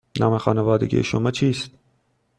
نام خانوادگی شما چیست؟